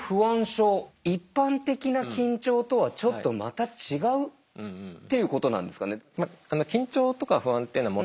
症一般的な緊張とはちょっとまた違うっていうことなんですかね？